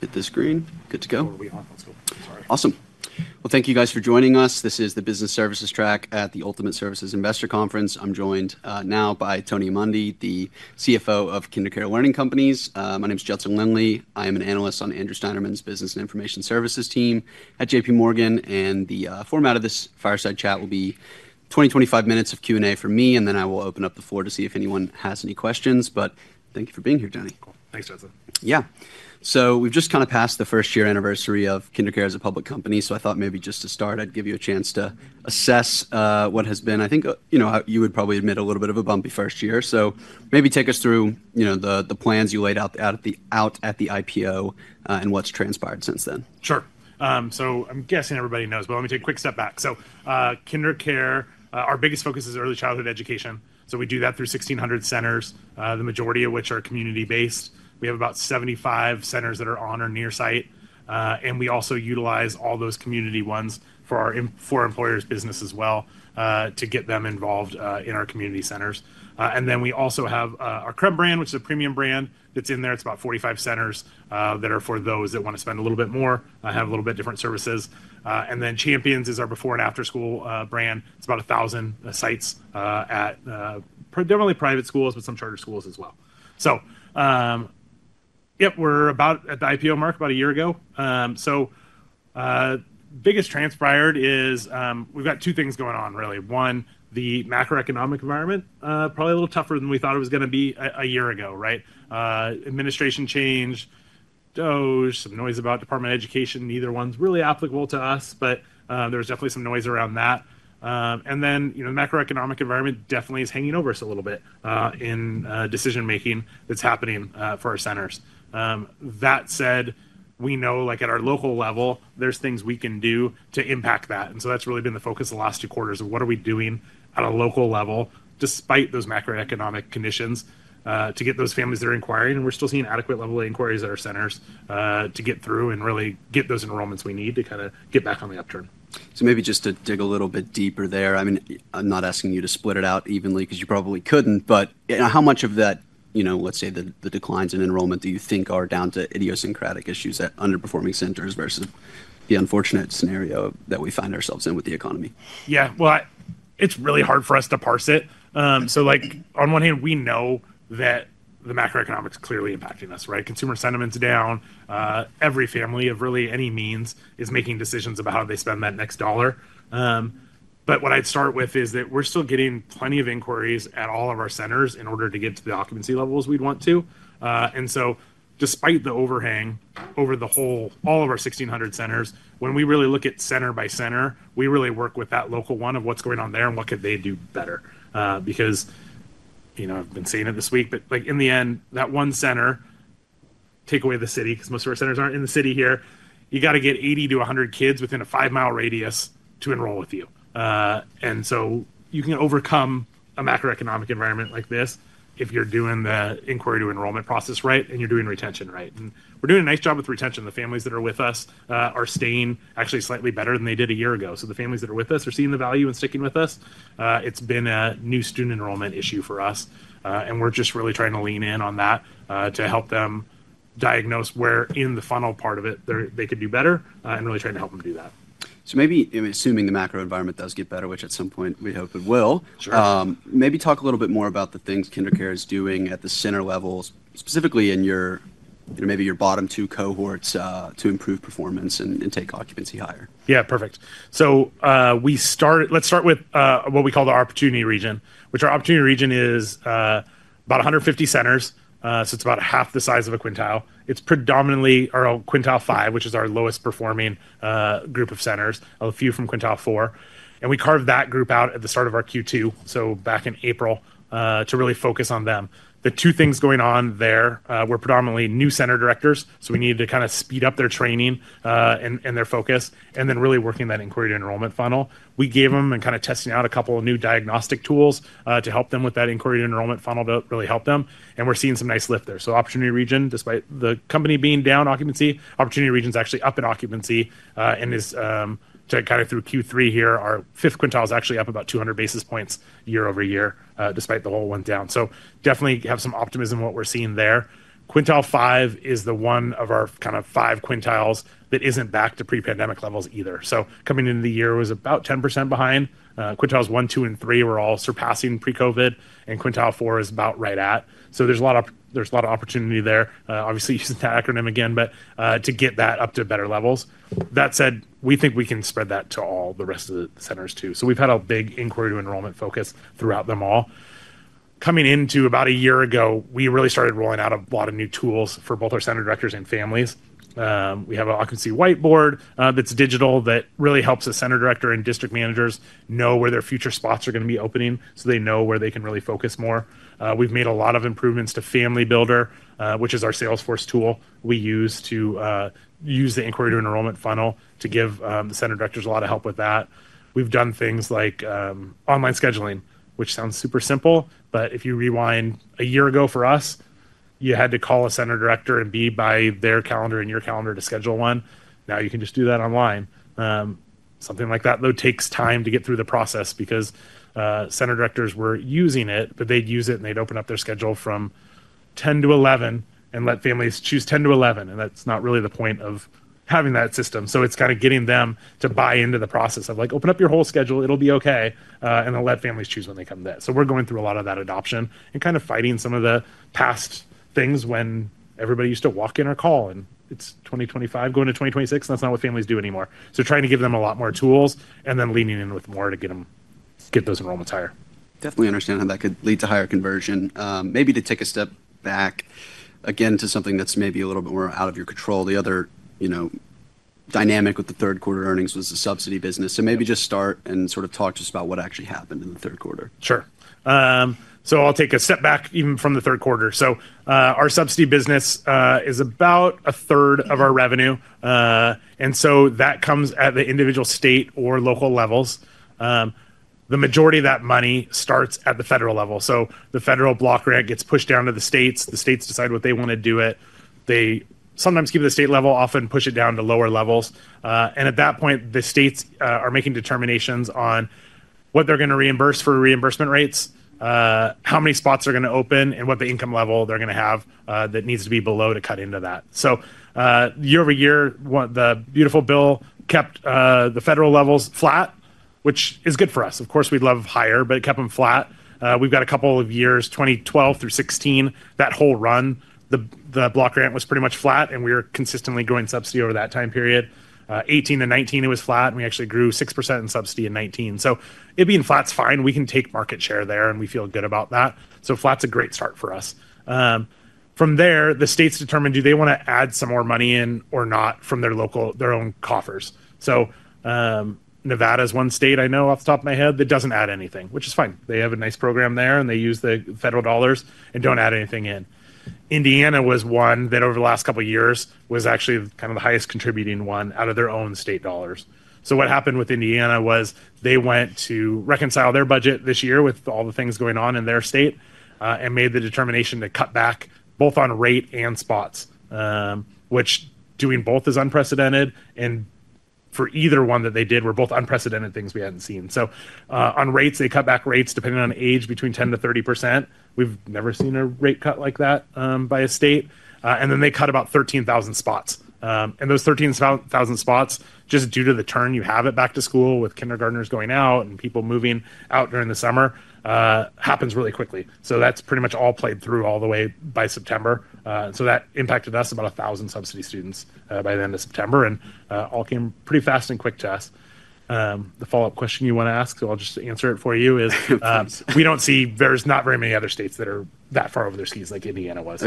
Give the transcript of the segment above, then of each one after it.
Hit the screen. Good to go. Awesome. Thank you guys for joining us. This is the business services track at the Ultimate Services Investor Conference. I'm joined now by Tony Amandi, the CFO of KinderCare Learning Companies. My name is Judson Lindley. I am an analyst on Andrew Steinerman's business and information services team at JPMorgan. The format of this fireside chat will be 20-25 minutes of Q and A for me and then I will open up the floor to see if anyone has any questions. Thank you for being here, Tony. Thanks, Judson. Yeah, so we've just kind of passed the first year anniversary of KinderCare as a public company. I thought maybe just to start, I'd give you a chance to assess what has been, I think, you know, you would probably admit, a little bit of a bumpy first year. Maybe take us through, you know, the plans you laid out at the IPO and what's transpired since then. Sure. I'm guessing everybody knows, but let me take a quick step back. KinderCare, our biggest focus is early childhood education. We do that through 1,600 centers, the majority of which are community based. We have about 75 centers that are on or near site. We also utilize all those community ones for our, for employers business as well to get them involved in our community centers. We also have our Creme brand, which is a premium brand that's in there. It's about 45 centers that are for those that want to spend a little bit more, have a little bit different services. Champions is our before and after school brand. About 1,000 sites at definitely private schools, but some charter schools as well. Yep, we're about at the IPO mark about a year ago. Biggest transpired is we've got two things going on, really. One, the macroeconomic environment probably a little tougher than we thought it was going to be a year ago. Right. Administration change, Doge, some noise about Department of Education. Neither one's really applicable to us, but there was definitely some noise around that. You know, the macroeconomic environment definitely is hanging over us a little bit in decision making that's happening for our centers. That said, we know like at our local level there's things we can do to impact that. And so that's really been the focus the last two quarters of what are we doing at a local level despite those macroeconomic conditions to get those families that are inquiring. We're still seeing adequate level of inquiries at our centers to get through and really get those enrollments. We need to kind of get back on the upturn. Maybe just to dig a little bit deeper there, I mean, I'm not asking you to split it out evenly because you probably couldn't. How much of that, you know, let's say the declines in enrollment do you think are down to idiosyncratic issues at underperforming centers versus the unfortunate scenario that we find ourselves in with the economy? Yeah, it's really hard for us to parse it. Like on one hand we know that the macroeconomic is clearly impacting us. Right. Consumer sentiment's down. Every family of really any means is making decisions about how they spend that next dollar. What I'd start with is that we're still getting plenty of inquiries at all of our centers in order to get to the occupancy levels we'd want to. Despite the overhang over the whole all of our 1,600 centers, when we really look at center by center, we really work with that local one of what's going on there and what could they do better? I've been saying it this week, but in the end that one center take away the city because most of our centers aren't in the city. Here you got to get 80-100 kids within a five mile radius to enroll with you. You can overcome a macroeconomic environment like this if you're doing the inquiry to enrollment process right and you're doing retention right. We're doing a nice job with retention. The families that are with us are staying actually slightly better than they did a year ago. The families that are with us are seeing the value and sticking with us. It's been a new student enrollment issue for us and we're just really trying to lean in on that to help them diagnose where in the funnel part of it they could do better and really trying to help them do that. Maybe assuming the macro environment does get better, which at some point we hope it will, maybe talk a little bit more about the things KinderCare is doing at the center level, specifically in your maybe your bottom two cohorts to improve performance and take occupancy higher. Yeah, perfect. Let's start with what we call the opportunity region, which our opportunity region is about 150 centers. It's about half the size of a quintile. It's predominantly our Quintile 5, which is our lowest performing group of centers, a few from Quintile 4. We carved that group out at the start of our Q2, back in April, to really focus on them. The two things going on there were predominantly new center directors, so we needed to kind of speed up their training and their focus, and then really working that Inquiry to Enrollment Funnel we gave them and kind of testing out a couple of new diagnostic tools to help them with that Inquiry to Enrollment Funnel to really help them. We're seeing some nice lift there. Opportunity Region, despite the company being down occupancy, Opportunity Region is actually up in occupancy and is kind of through Q3 here. Our fifth quintile is actually up about 200 basis points year-over-year, despite the whole one down. Definitely have some optimism. What we're seeing there. Quintile five is the one of our kind of five quintiles that isn't back to pre-pandemic levels either. Coming into the year was about 10% behind. Quintiles 1, 2, and 3 were all surpassing pre-Covid. Quintile 4 is about right at. There is a lot of opportunity there. Obviously use that acronym again, but to get that up to better levels. That said, we think we can spread that to all the rest of the centers too. We've had a big inquiry to enrollment focus throughout them all. Coming into about a year ago, we really started rolling out a lot of new tools for both our center directors and families. We have an Occupancy Whiteboard that's digital that really helps the center director and district managers know where their future spots are going to be opening so they know where they can really focus more. We've made a lot of improvements to Family Builder, which is our Salesforce tool we use to use the Inquiry to Enrollment funnel to give the center directors a lot of help with that. We've done things like online scheduling, which sounds super simple, but if you rewind a year ago for us, you had to call a center director and be by their calendar and your calendar to schedule one. Now you can just do that online. Something like that though, takes time to get through the process because center directors were using it, but they'd use it and they'd open up their schedule from 10:00 to 11:00 and let families choose 10:00 to 11:00. That's not really the point of having that system. It is kind of getting them to buy into the process of like open up your whole schedule. It'll be okay. Then let families choose when they come there. We are going through a lot of that adoption and kind of fighting some of the past things. When everybody used to walk in or call and it's 2025 going to 2026, that's not what families do anymore. Trying to give them a lot more tools and then leaning in with more to get them, get those enrollments. Higher, definitely understand how that could lead to higher conversion, maybe to take a step back again to something that's maybe a little bit more out of your control. The other, you know, dynamic with the third quarter earnings was the subsidy business. Maybe just start and sort of talk to us about what actually happened in the third quarter. Sure. I'll take a step back even from the third quarter. Our subsidy business is about a third of our revenue. That comes at the individual, state, or local levels. The majority of that money starts at the federal level. The federal block grant gets pushed down to the states. The states decide what they want to do with it. They sometimes keep it at the state level, often push it down to lower levels. At that point, the states are making determinations on what they're going to reimburse for reimbursement rates, how many spots are going to open, and what the income level they're going to have that needs to be below to cut into that. year-over-year, the beautiful bill kept the federal levels flat, which is good for us. Of course we'd love higher, but it kept them flat. We've got a couple of years, 2012 through 2016, that whole run, the block grant was pretty much flat. And we were consistently growing subsidy over that time period. 2018 to 2019, it was flat and we actually grew 6% in subsidy in 2019. So it being flat's fine. We can take market share there and we feel good about that. So flat's a great start for us. From there, the states determine do they want to add some more money in or not from their own coffers. So Nevada is one state I know off the top of my head that doesn't add anything, which is fine. They have a nice program there and they use the federal dollars and don't add anything. Indiana was one that over the last couple years was actually kind of the highest contributing one out of their own state dollars. What happened with Indiana was they went to reconcile their budget this year with all the things going on in their state and made the determination to cut back both on rate and spots, which doing both is unprecedented. For either one that they did were both unprecedented things we had not seen, so on rates, they cut back rates depending on age, between 10%-30%. We have never seen a rate cut like that by a state. Then they cut about 13,000 spots. Those 13,000 spots, just due to the turn, you have it back to school with kindergarteners going out and people moving out during the summer. Happens really quickly. That is pretty much all played through all the way by September. That impacted us about 1,000 subsidy students by the end of September and all came pretty fast and quick to us. The follow up question you want to ask, so I'll just answer it for you, is we don't see. There's not very many other states that are that far over their skis like Indiana was.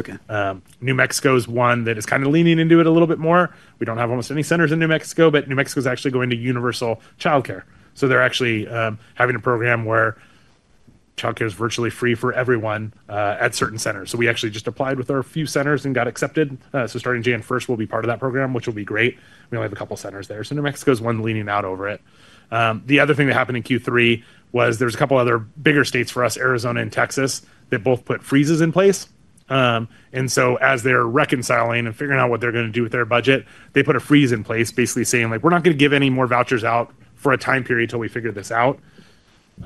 New Mexico is one that is kind of leaning into it a little bit more. We don't have almost any centers in New Mexico, but New Mexico is actually going to universal childcare. They are actually having a program where childcare is virtually free for everyone at certain centers. We actually just applied with our few centers and got accepted. Starting January 1st, we'll be part of that program, which will be great. We only have a couple centers there. New Mexico is one leaning out over it. The other thing that happened in Q3 was there's a couple other bigger states for us, Arizona and Texas, that both put freezes in place. As they're reconciling and figuring out what they're going to do with their budget, they put a freeze in place, basically saying like we're not going to give any more vouchers out for a time period until we figure this out in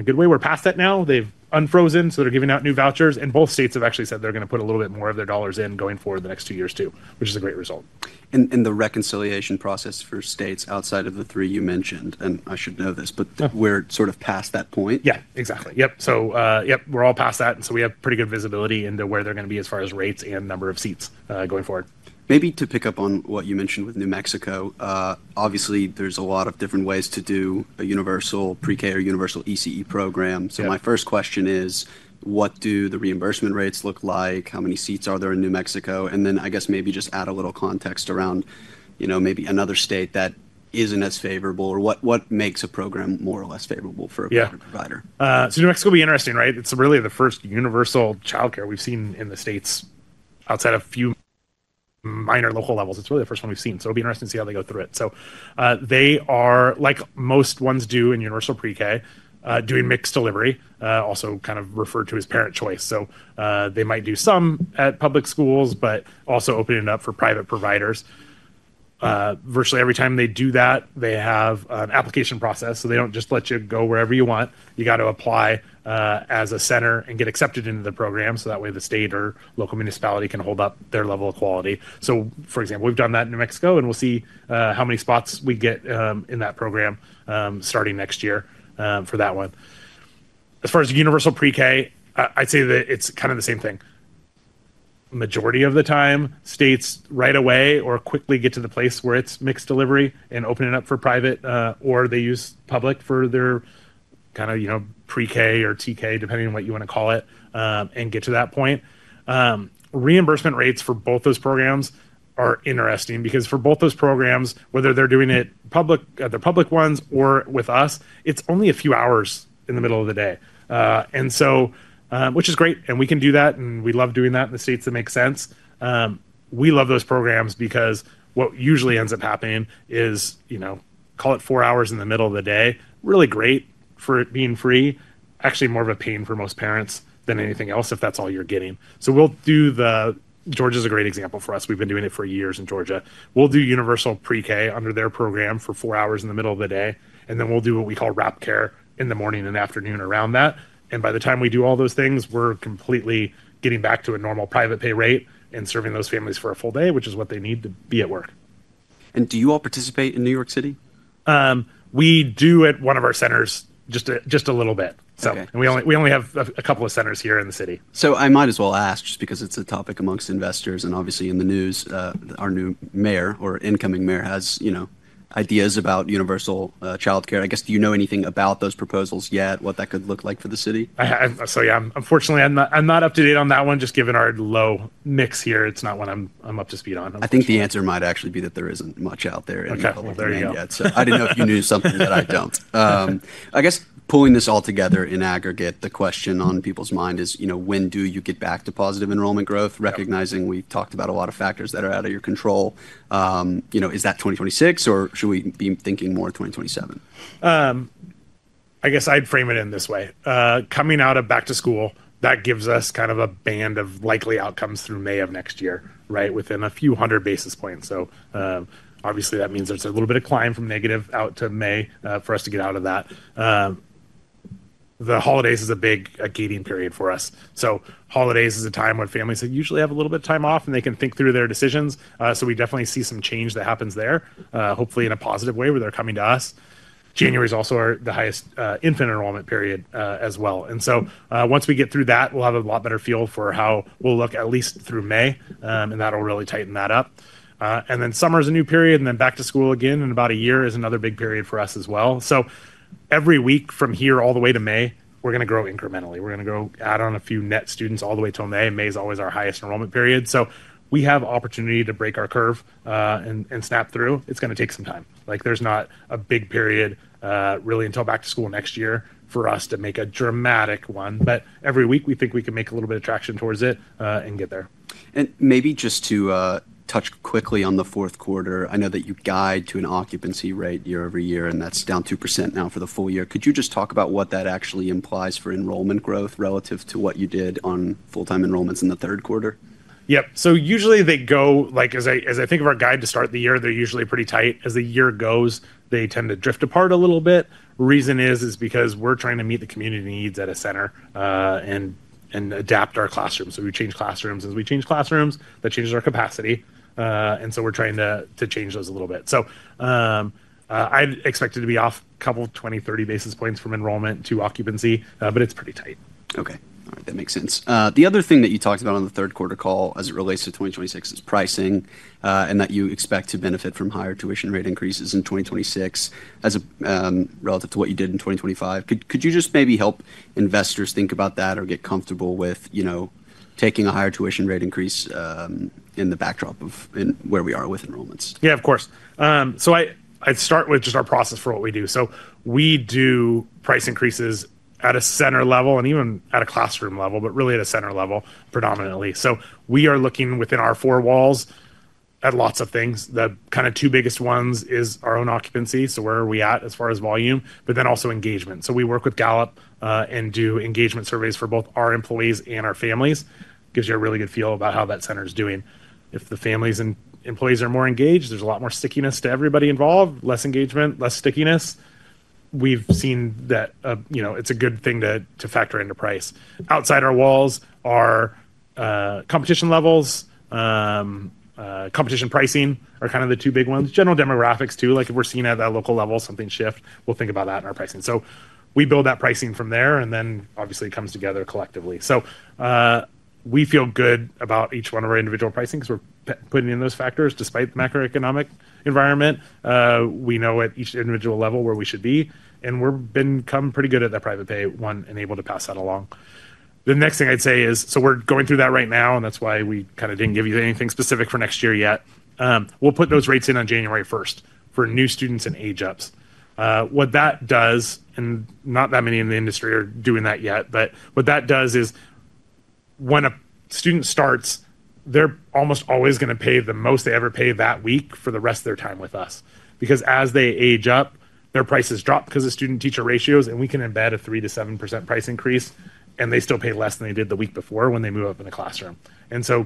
a good way. We're past that now. They've unfrozen, so they're giving out new vouchers. Both states have actually said they're going to put a little bit more of their dollars in going forward the next two years too, which is a. Great result in the reconciliation process for states outside of the three you mentioned. I should know this, but we're sort of past that point. Yeah, exactly. Yep. We're all past that. We have pretty good visibility into where they're going to be as far as rates and number of seats going forward. Maybe to pick up on what you mentioned with New Mexico, obviously there's a lot of different ways to do a universal Pre-K or universal ECE program. My first question is what do the reimbursement rates look like? How many seats are there in New Mexico? I guess maybe just add a little context around, you know, maybe another state that isn't as favorable or what makes a program more or less. Favorable for a provider. New Mexico will be interesting, right? It's really the first universal childcare we've seen in the states outside a few minor local levels. It's really the first one we've seen. It'll be interesting to see how they go through it. They are, like most ones do in Universal Pre-K, doing mixed delivery, also kind of referred to as parent choice. They might do some at public schools, but also opening it up for private providers. Virtually every time they do that, they have an application process. They don't just let you go wherever you want. You have to apply as a center and get accepted into the program. That way the state or local municipality can hold up their level of quality. For example, we've done that in New Mexico and we'll see how many spots we get in that program starting next year for that one. As far as Universal Pre-K, I'd say that it's kind of the same thing. Majority of the time, states right away or quickly get to the place where it's mixed delivery and open it up for private, or they use public for their kind of, you know, Pre-K or TK, depending on what you want to call it, and get to that point. Reimbursement rates for both those programs are interesting because for both those programs, whether they're doing it public at the public ones or with us, it's only a few hours in the middle of the day, which is great. We can do that, and we love doing that in the states that make sense. We love those programs because what usually ends up happening is, you know, call it four hours in the middle of the day. Really great for it being free. Actually more of a pain for most parents than anything else if that's all you're getting. Georgia is a great example for us. We've been doing it for years in Georgia. We'll do universal pre-K under their program for four hours in the middle of the day. Then we'll do what we call wrap care in the morning and afternoon around that. By the time we do all those things, we're completely getting back to a normal private pay rate and serving those families for a full day, which is what they need to be at work. Do you all participate in New York City? We do at one of our centers, just a little bit. We only have a couple of centers here in the city. I might as well ask, just because it's a topic amongst investors and obviously in the news, our new mayor or incoming mayor has, you know, ideas about universal childcare, I guess. Do you know anything about those proposals yet, what that could look like for the city? Yeah, unfortunately, I'm not up to date on that one. Just given our low mix here. It's not one I'm up to speed on. I think the answer might actually be that there isn't much out there yet. I didn't know if you knew something that I don't. I guess pulling this all together in aggregate, the question on people's mind is, you know, when do you get back to positive enrollment growth? Recognizing we talked about a lot of factors that are out of your control. You know, is that 2026 or should we be thinking more 2027? I guess I'd frame it in this way. Coming out of back to school, that gives us kind of a band of likely outcomes through May of next year, right? Within a few hundred basis points. Obviously that means there's a little bit of climb from negative out to May for us to get out of that. The holidays is a big gating period for us. Holidays is a time when families usually have a little bit time off and they can think through their decisions. We definitely see some change that happens there, hopefully in a positive way where they're coming to us. January is also the highest infant enrollment period as well. Once we get through that, we'll have a lot better feel for how we'll look at least through May, and that'll really tighten that up. Summer is a new period, and then back to school again in about a year is another big period for us as well. Every week from here all the way to May, we're going to grow incrementally. We're going to go add on a few net students all the way till May. May is always our highest enrollment period. We have opportunity to break our curve and snap through. It's going to take some time, like there's not a big period really until back to school next year for us to make a dramatic one. Every week we think we can make a little bit of traction towards it and get there. Maybe just to touch quickly on the fourth quarter, I know that you guide to an occupancy rate year-over-year, and that's down 2% now for the full year. Could you just talk about what that actually implies for enrollment growth relative to what you did on four full time enrollments in the third quarter? Yep. Usually they go like, as I think of our guide to start the year, they're usually pretty tight. As the year goes, they tend to drift apart a little bit. The reason is, is because we're trying to meet the community needs at a center and adapt our classroom. We change classrooms. As we change classrooms, that changes our capacity. We're trying to change those a little bit. I expect it to be off a couple 20-30 basis points from enrollment to occupancy, but it's pretty tight. Okay. All right, that makes sense. The other thing that you talked about on the third quarter call as it relates to 2026 is pricing and that you expect to benefit from higher tuition rate increases in 2026 as a relative to what you did in 2025. Could you just maybe help investors think about that or get comfortable with, you know, taking a higher tuition rate increase in the backdrop of where we are with enrollments? Yeah, of course. I'd start with just our process for what we do. We do price increases at a center level and even at a classroom level, but really at a center level predominantly. We are looking within our four walls at lots of things. The kind of two biggest ones is our own occupancy. Where are we at as far as volume, but then also engagement. We work with Gallup and do engagement surveys for both our employees and our families. Gives you a really good feel about how that center is doing. If the families and employees are more engaged, there's a lot more stickiness to everybody involved. Less engagement, less stickiness. We've seen that. You know, it's a good thing to factor into price. Outside our walls are competition levels. Competition pricing are kind of the two big ones. General demographics too. Like if we're seeing at that local level something shift, we'll think about that in our pricing. We build that pricing from there, and then obviously it comes together collectively. We feel good about each one of our individual pricing because we're putting in those factors. Despite the macroeconomic environment, we know at each individual level where we should be. We're pretty good at that private pay one and able to pass that along. The next thing I'd say is, we're going through that right now, and that's why we kind of didn't give you anything specific for next year yet. We'll put those rates in on January 1st for new students and age ups. What that does, and not that many in the industry are doing that yet, but what that does is when a student starts, they're almost always going to pay the most they ever pay that week for the rest of their time with us because as they age up, their prices drop because of student-teacher ratios. We can embed a 3%-7% price increase and they still pay less than they did the week before when they move up in the classroom.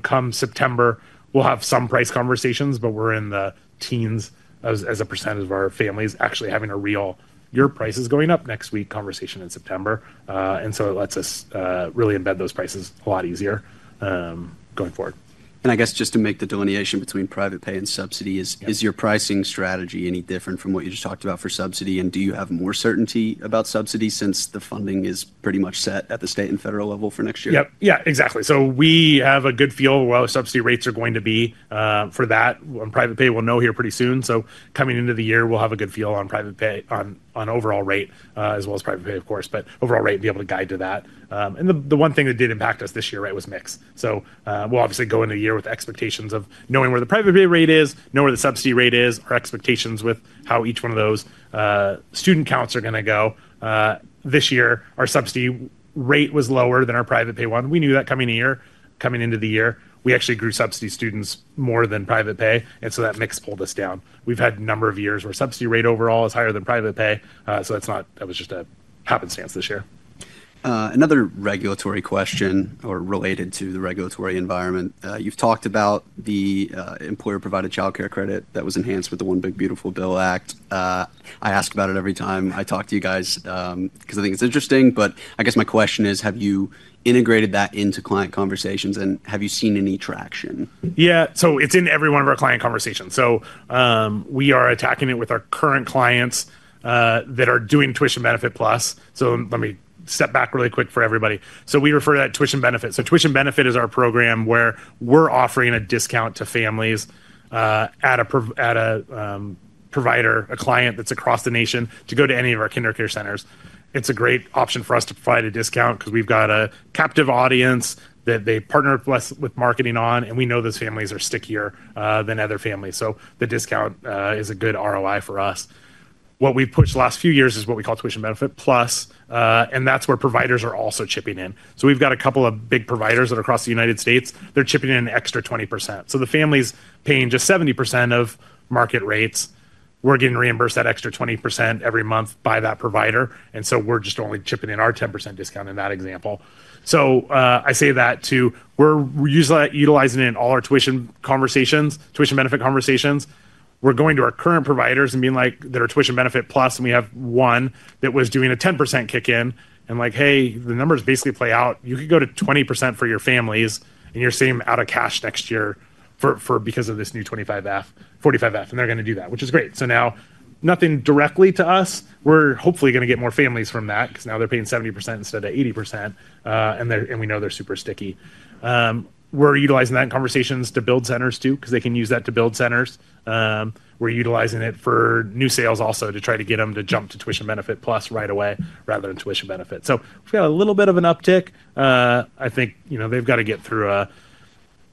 Come September, we'll have some price conversations, but we're in the teens as a percentage of our families actually having a real your price is going up next week conversation in September. It lets us really embed those prices a lot easier going forward. I guess just to make the delineation between private pay and subsidy, is your pricing strategy any different from what you just talked about for subsidy and do you have more certainty about subsidy since the funding is pretty much set at the state and federal level for next year? Yep. Yeah, exactly. We have a good feel. Subsidy rates are going to be for that private pay. We'll know here pretty soon. Coming into the year we'll have a good feel on private pay, on overall rate as well as private pay, of course, but overall rate be able to guide to that. The one thing that did impact us this year, right, was mix. We'll obviously go into the year with expectations of knowing where the private pay rate is, knowing where the subsidy rate is, our expectations with how each one of those student counts are going to go. This year our subsidy rate was lower than our private pay one. We knew that coming year. Coming into the year, we actually grew subsidy students more than private pay. That mix pulled us down. We've had a number of years where subsidy rate overall is higher than private pay. So it's not. That was just a happenstance this year. Another regulatory question or related to the regulatory environment. You've talked about the employer provided childcare credit that was enhanced with the One Big Beautiful Bill Act. I ask about it every time I talk to you guys because I think it's interesting. I guess my question is have you integrated that into client conversations and have you seen any traction? Yeah. It is in every one of our client conversations. We are attacking it with our current clients that are doing Tuition Benefit+. Let me step back really quick for everybody. We refer to that as Tuition Benefit. Tuition Benefit is our program where we are offering a discount to families at a provider, a client that is across the nation, to go to any of our KinderCare centers. It is a great option for us to provide a discount because we have got a captive audience that they partner with marketing on. We know those families are stickier than other families. The discount is a good ROI for us. What we have pushed the last few years is what we call Tuition Benefit+. That is where providers are also chipping in. We've got a couple of big providers that across the United States, they're chipping in an extra 20%. The family's paying just 70% of market rates. We're getting reimbursed that extra 20% every month by that provider. We're just only chipping in our 10% discount in that example. I say that too. We're utilizing it in all our tuition conversations to Tuition Benefit conversations. We're going to our current providers and being like their Tuition Benefit Plus. We have one that was doing a 10% kick in and like, hey, the numbers basically play out. You could go to 20% for your families and you're seeing them out of cash next year for. Because of this new 25F, 45F. They're going to do that, which is great. Now nothing directly to us. We're hopefully going to get more families from that because now they're paying 70% instead of 80% and we know they're super sticky. We're utilizing that in conversations to build centers too, because they can use that to build centers. We're utilizing it for new sales also to try to get them to jump to Tuition Benefit+ right away rather than Tuition Benefit. So we've got a little bit of an uptick, I think. You know, they've got to get through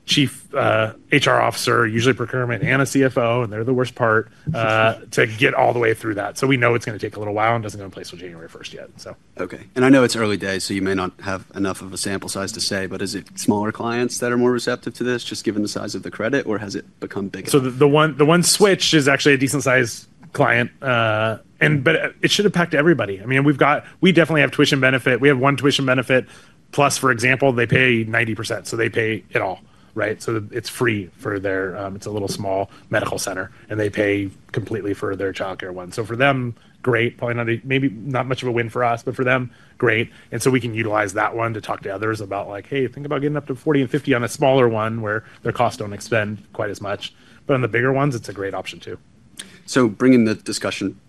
a Chief HR Officer, usually procurement and a CFO. And they're the worst part to get all the way through that. We know it's going to take a little while and doesn't go in place till January 1st yet. Okay. I know it's early days, so you may not have enough of a sample size to say, but is it smaller clients that are more receptive to this just given the size of the credit, or has it become bigger? The one switch is actually a decent sized client, but it should impact everybody. I mean, we definitely have Tuition Benefit. We have one Tuition Benefit+, for example, they pay 90%. They pay it all, right? It is free for their, it is a little small medical center and they pay completely for their childcare one. For them, great point. Maybe not much of a win for us, but for them, great. We can utilize that one to talk to others about like, hey, think about getting up to 40% and 50% on a smaller one where their costs do not expend quite as much. On the bigger ones, it is a great option too. Bringing the discussion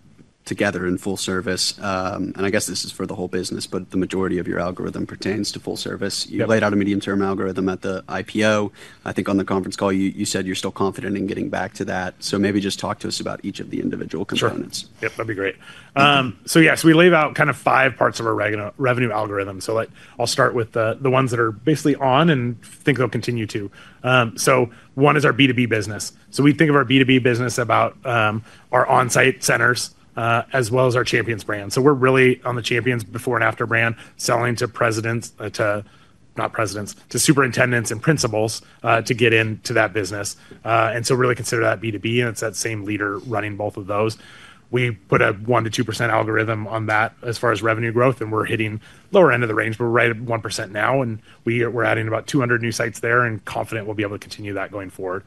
together in full service, and I guess this is for the whole business, but the majority of your algorithm pertains to full service. You laid out a medium term algorithm at the IPO. I think on the conference call you said you're still confident in getting back to that, so maybe just talk to us about each of the individual components. Yep, that'd be great. Yes, we laid out kind of five parts of our revenue algorithm. I'll start with the ones that are basically on and think they'll continue to. One is our B2B business. We think of our B2B business as our on site centers as well as our Champions brand, so we're really on the Champions before and after brand selling to superintendents and principals to get into that business. We really consider that B2B, and it's that same leader running both of those. We put a 1%-2% algorithm on that as far as revenue growth, and we're hitting the lower end of the range. We're right at 1% now, and we're adding about 200 new sites there and confident we'll be able to continue that going forward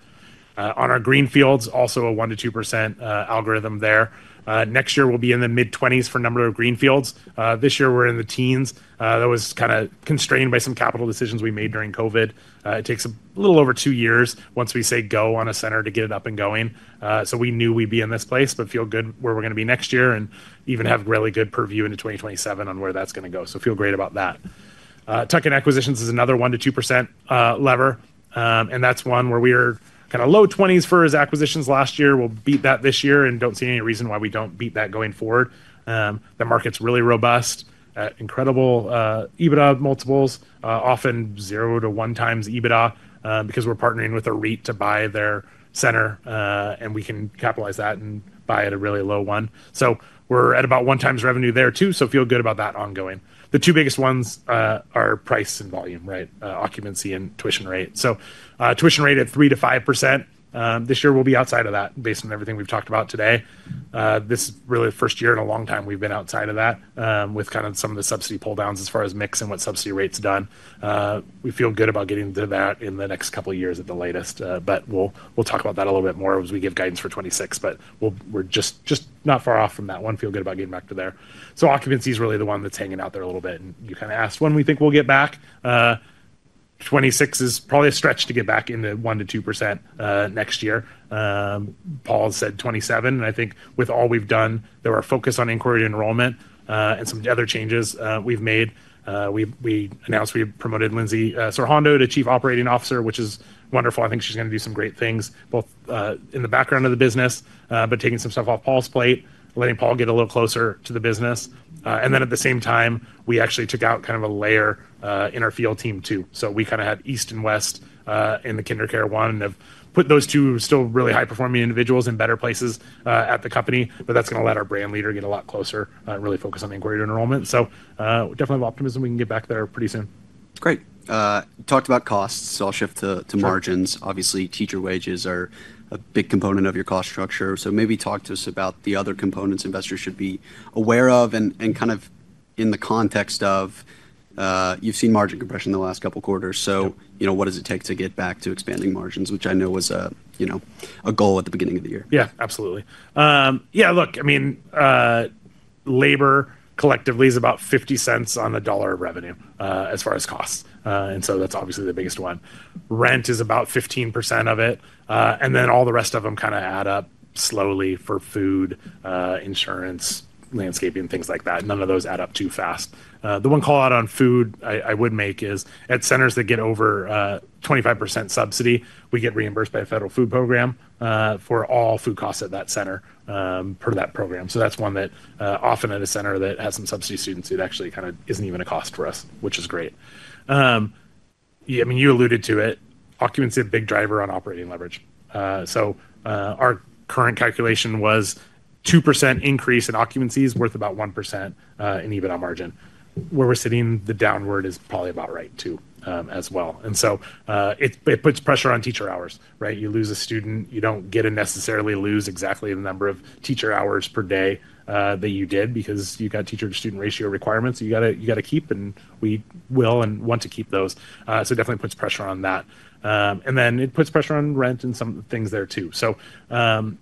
on our Greenfields. Also a 1%-2% algorithm there. Next year we'll be in the mid-20s for number of greenfields. This year we're in the teens. That was kind of constrained by some capital decisions we made during COVID. It takes a little over two years once we say go on a center to get it up and going. We knew we'd be in this place. Feel good where we're going to be next year and even have really good purview into 2027 on where that's going to go. Feel great about that. Tuck-in acquisitions is another 1%-2% lever and that's one where we are kind of low-20s for acquisitions last year. We'll beat that this year and don't see any reason why we don't beat that going forward. The market's really robust. Incredible EBITDA multiples, often 0-1x EBITDA, because we're partnering with a REIT to buy their center and we can capitalize that and buy at a really low one. We're at about 1 times revenue there too. I feel good about that ongoing. The two biggest ones are price and volume, right. Occupancy and tuition rate. Tuition rate at 3%-5% this year. We'll be outside of that. Based on everything we've talked about today, this is really the first year in a long time we've been outside of that with kind of some of the subsidy pull downs as far as mix and what subsidy rates have done. We feel good about getting to that in the next couple of years at the latest. We'll talk about that a little bit more as we give guidance for 2026. We are just not far off from that one. Feel good about getting back to there. Occupancy is really the one that is hanging out there a little bit. You kind of asked when we think we will get back. 2026 is probably a stretch to get back into 1%-2% next year. Paul said 2027. I think with all we have done, our focus on inquiry enrollment, and some other changes we have made. We announced we promoted Lindsey Sorhaindo to Chief Operating Officer, which is wonderful. I think she is going to do some great things, both in the background of the business, but taking some stuff off Paul's plate, letting Paul get a little closer to the business. At the same time, we actually took out kind of a layer in our field team too. We kind of had east and west in the KinderCare one and have put those two still really high performing individuals in better places at the company. That is going to let our brand leader get a lot closer. Really focus on inquiry enrollment. Definitely optimism. We can get back there pretty soon. Great. Talked about costs. I'll shift to margins. Obviously teacher wages are a big component of your cost structure. So maybe talk to us about the other components investors should be aware of and kind of in the context of you've seen margin compression in the last couple of quarters. So know what does it take to get back to expanding margins, which I know was, you know, a goal at the beginning of the year. Yeah, absolutely. Yeah, look, I mean labor collectively is about $0.50 on the dollar of revenue as far as costs. That is obviously the biggest one. Rent is about 15% of it and then all the rest of them kind of add up slowly for food, insurance, landscaping, things like that. None of those add up too fast. The one call out on food I would make is at centers that get over 25% subsidy. We get reimbursed by a federal food program for all food costs at that center per that program. That is one that often at a center that has some subsidy students, it actually kind of is not even a cost for us, which is great. I mean you alluded to it, occupancy a big driver on operating leverage. Our current calculation was 2% increase in occupancy is worth about 1% in EBITDA margin where we're sitting. The downward is probably about right too as well. It puts pressure on teacher hours. Right. You lose a student, you don't get to necessarily lose exactly the number of teacher hours per day that you did because you got teacher to student ratio requirements. You got to keep and we will and want to keep those. It definitely puts pressure on that and then it puts pressure on rent and some of the things there too.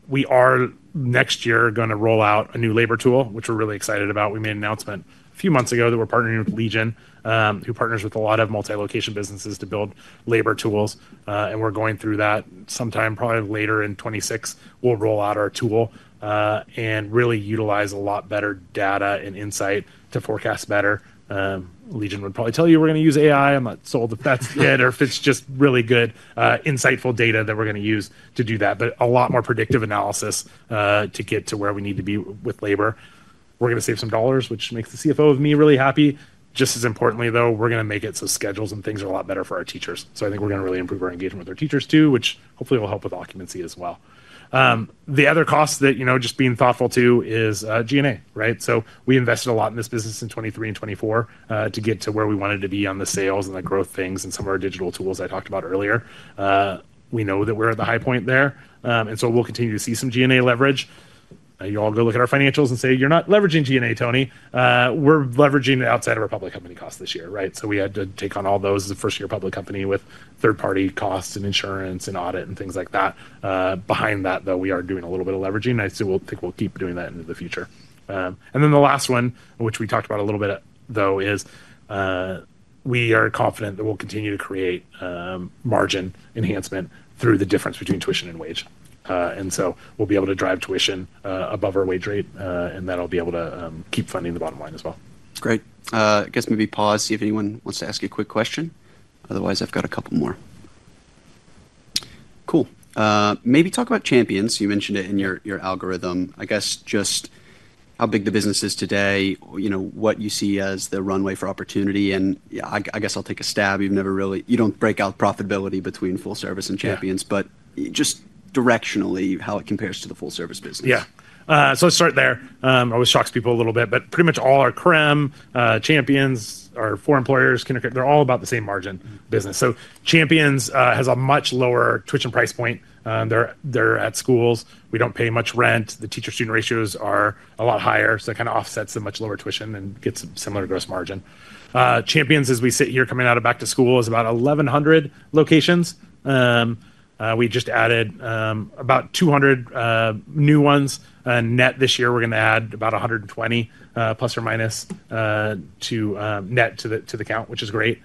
We are next year going to roll out a new labor tool which we're really excited about. We made an announcement a few months ago that we're partnering with Legion who partners with a lot of multi location businesses to build labor tools and we're going through that sometime probably later in 2026, we'll roll out our tool and really utilize a lot better data and insight to forecast better. Legion would probably tell you we're going to use AI. I'm not sold if that's it or if it's just really good insightful data that we're going to use to do that but a lot more predictive analysis to get to where we need to be with labor. We're going to save some dollars which makes the CFO of me really happy. Just as importantly though, we're going to make it so schedules and things are a lot better for our teachers. I think we're going to really improve our engagement with our teachers too, which hopefully will help with occupancy as well. The other cost that, you know, just being thoughtful too is G&A. Right. We invested a lot in this business in 2023 and 2024 to get to where we wanted to be on the sales and the growth things and some of our digital tools. As I talked about earlier, we know that we're at the high point there and so we'll continue to see some G&A leverage. You all go look at our financials and say you're not leveraging G&A, Tony. We're leveraging outside of our public company cost this year. Right. We had to take on all those as a first year public company with third party costs and insurance and audit and things like that. Behind that though we are doing a little bit of leveraging. I still think we'll keep doing that into the future. The last one which we talked about a little bit though is we are confident that we'll continue to create margin enhancement through the difference between tuition and wage. We will be able to drive tuition above our wage rate and that'll be able to keep funding the bottom line as well. Great guess. Maybe pause, see if anyone wants to ask a quick question. Otherwise I've got a couple more. Cool. Maybe talk about Champions. You mentioned it in your algorithm. I guess just how big the business is today, you know, what you see as the runway for opportunity, and I guess I'll take a stab. You've never really, you don't break out profitability between full service and Champions, but just directionally how it compares to the full service business. Yeah. Let's start there. Always shocks people a little bit. Pretty much all our Creme, Champions, our for employers, kindergarten, they're all about the same margin business. Champions has a much lower tuition price point. They're at schools, we don't pay much rent. The teacher-student ratios are a lot higher. It kind of offsets the much lower tuition and gets similar gross margin. Champions, as we sit here coming out of back to school, is about 1,100 locations. We just added about 200 new ones net this year. We're going to add about 120 plus or minus to net to the count, which is great.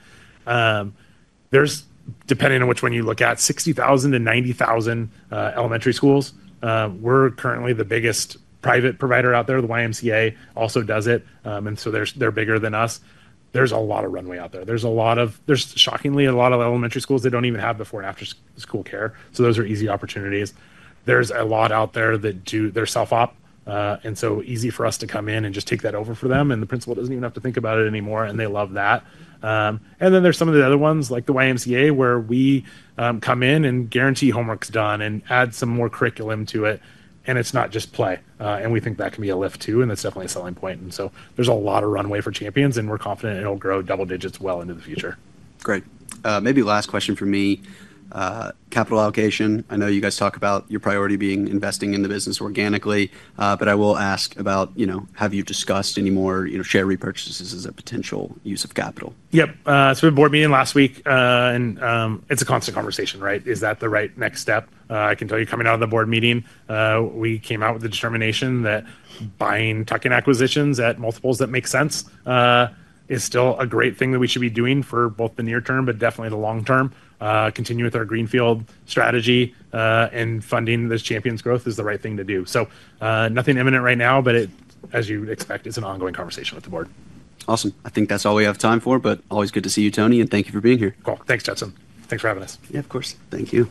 Depending on which one you look at, 60,000-90,000 elementary schools. We're currently the biggest private provider out there. The YMCA also does it, and so they're bigger than us. There's a lot of runway out there. There's a lot of, there's shockingly a lot of elementary schools that don't even have before and after school care. Those are easy opportunities. There's a lot out there that do their self op and so easy for us to come in and just take that over for them. The principal doesn't even have to think about it anymore and they love that. Then there's some of the other ones like the YMCA where we come in and guarantee homework's done and add some more curriculum to it and it's not just play and we think that can be a lift too. That's definitely a selling point. There's a lot of runway for Champions. We're confident it'll grow double digits well into the future. Great. Maybe last question for me, capital allocation. I know you guys talk about your priority being investing in the business organically, but I will ask about, you know, have you discussed any more, you know, share repurchases as a potential use of capital? Yep. Board meeting last week and it's a constant conversation. Right. Is that the right next step? I can tell you, coming out of the board meeting, we came out with the determination that buying tuck-in acquisitions at multiples that make sense is still a great thing that we should be doing for both the near term, but definitely the long term. Continue with our greenfield strategy and funding this Champions growth is the right thing to do. Nothing imminent right now, but it, as you expect, it's an ongoing conversation with the board. Awesome. I think that's all we have time for, but always good to see you, Tony, and thank you for being here. Cool, thanks, Judson. Thanks for having us. Yeah, of course. Thank you.